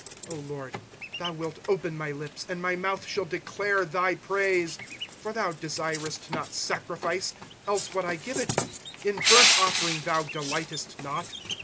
15 Lord, thou wilt open my Hps, And my mouth shall declare thy praise. 16 For thou desirest not sacrifice, else would I give it ; In burnt offering thou delightest not.